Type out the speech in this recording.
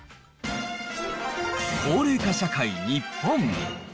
高齢化社会日本。